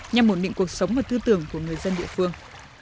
nhằm ổn định cuộc sống và tư tưởng của người dân địa phương